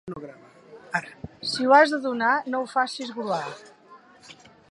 Si ho has de donar, no ho facis gruar.